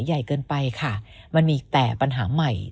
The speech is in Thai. พี่ชายของน้องก็จริงใจและจริงจังนะ